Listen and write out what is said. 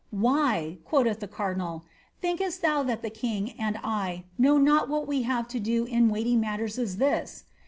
^ Why" (quoth the ^ thinkait thou that the king and I know not what we have weighty matters as this